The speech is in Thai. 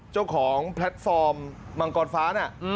เจ้าของแพลตฟอร์มมังกรฟ้าน่ะ